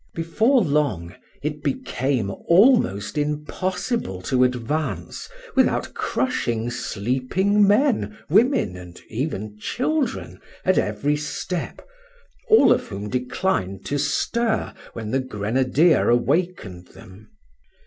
Before long it became almost impossible to advance without crushing sleeping men, women, and even children at every step, all of whom declined to stir when the grenadier awakened them.